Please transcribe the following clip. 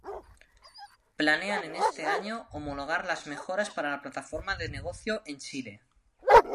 Planean en este año homologar las mejoras para la plataforma de negocio en Chile.